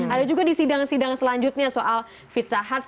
ada juga di sidang sidang selanjutnya soal fitsahat